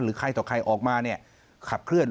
ใครต่อใครออกมาเนี่ยขับเคลื่อน